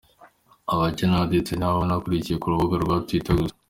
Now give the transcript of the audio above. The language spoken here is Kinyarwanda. Abake nanditse ni abo nakurikiye ku rubuga rwa Twitter gusa.